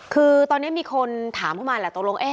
คือตอนนี้มีคนถามเข้ามาแหละตกลง